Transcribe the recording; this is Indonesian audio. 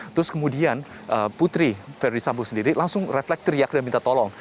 terus kemudian putri verdi sambo sendiri langsung refleks teriak dan minta tolong